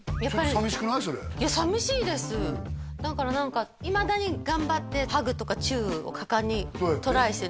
それいや寂しいですだから何かいまだに頑張ってハグとかチューを果敢にトライしてるんですよ